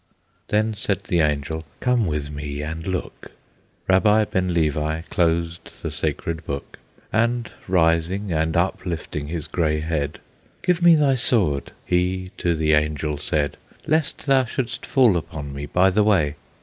Then said the Angel, "Come with me and look." Rabbi Ben Levi closed the sacred book, And rising, and uplifting his gray head, "Give me thy sword," he to the Angel said, "Lest thou shouldst fall upon me by the way."